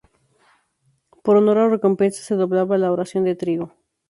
Por honor o recompensa se doblaba la ración de trigo.